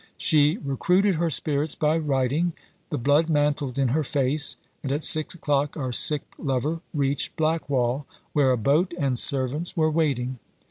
She recruited her spirits by riding; the blood mantled in her face; and at six o'clock our sick lover reached Blackwall, where a boat and servants were waiting.